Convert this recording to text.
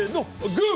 グー！